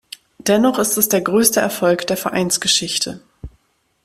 Dennoch ist es der größte Erfolg der Vereinsgeschichte.